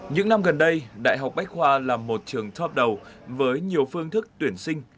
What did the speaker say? những năm gần đây đại học bách khoa là một trường top đầu với nhiều phương thức tuyển sinh